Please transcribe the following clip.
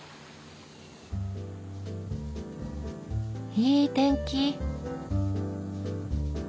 いい天気。